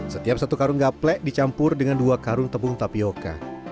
setiap satu karung gaplek dicampur dengan dua karung tepung tapioca